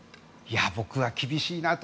僕は厳しいなと。